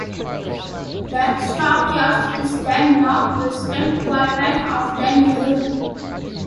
The Stockyards is the northwestern quadrant of the neighbourhood.